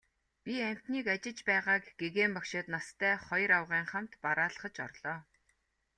Би амьтныг ажиж байгааг гэгээн багшид настай хоёр авгайн хамт бараалхаж орлоо.